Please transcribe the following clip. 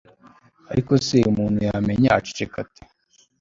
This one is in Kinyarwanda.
ariko se umuntu yamenya aceceka ate